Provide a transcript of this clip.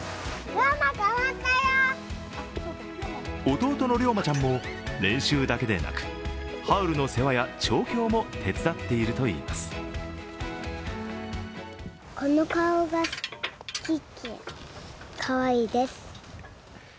弟の諒馬ちゃんも練習だけでなくハウルの世話や調教も手伝っているといいます。